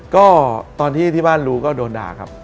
ก็ตอนที่ที่บ้านรู้ก็โดนด่าครับ